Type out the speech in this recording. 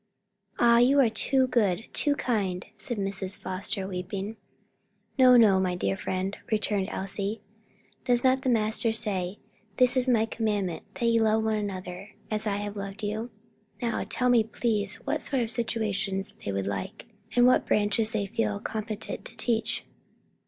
"Ah, you are too good, too kind," said Mrs. Foster, weeping. "No, no, my dear friend," returned Elsie; "does not the Master say, 'This is my commandment, That ye love one another, as I have loved you?' Now tell me, please, what sort of situations they would like, and what branches they feel competent to teach."